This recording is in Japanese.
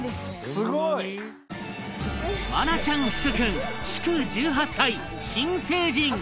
愛菜ちゃん福君祝１８歳新成人